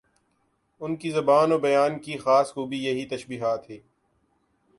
ان کی زبان و بیان کی خاص خوبی یہی تشبیہات ہی